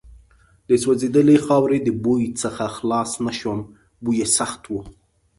د سوځېدلې خاورې د بوی څخه خلاص نه شوم، بوی یې سخت و.